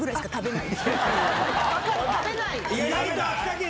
食べない？